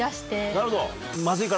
なるほど！